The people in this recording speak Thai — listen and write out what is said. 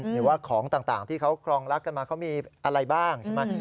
หรือว่าของต่างที่เขาครองรักกันมาเขามีอะไรบ้างใช่ไหม